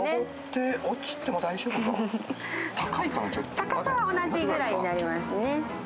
高さは同じぐらいになりますね。